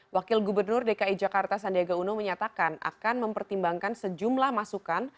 wakil gubernur dki jakarta sandiaga uno menyatakan akan mempertimbangkan sejumlah masukan